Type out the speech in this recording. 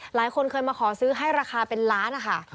หลายคนเคยมาขอซื้อให้ราคาเป็นล้านนะคะ